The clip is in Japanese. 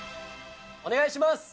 お願いします！